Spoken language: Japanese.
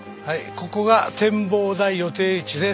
ここが展望台予定地です。